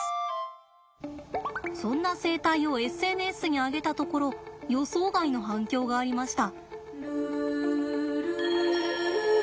そんな生態をＳＮＳに上げたところ予想外の反響がありました。